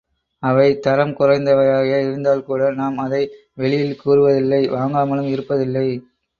அவை தரம் குறைந்தவையாக இருந்தால்கூட நாம் அதை வெளியில் கூறுவதில்லை வாங்காமலும் இருப்பதில்லை!